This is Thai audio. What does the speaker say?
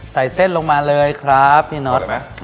ใส่เส้นลงมาเลยครับพี่นอท